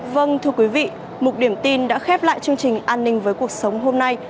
vâng thưa quý vị một điểm tin đã khép lại chương trình an ninh với cuộc sống hôm nay